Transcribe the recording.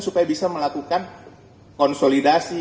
supaya bisa melakukan konsolidasi